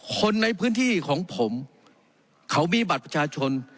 คนในพื้นที่ของผมเขามีบัตรประชาชน